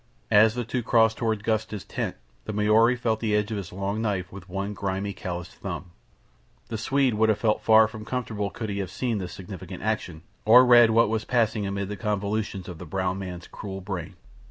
As the two crossed toward Gust's tent the Maori felt the edge of his long knife with one grimy, calloused thumb. The Swede would have felt far from comfortable could he have seen this significant action, or read what was passing amid the convolutions of the brown man's cruel brain.